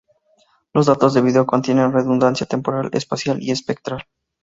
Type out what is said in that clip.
Los datos de video contienen redundancia temporal, espacial y espectral.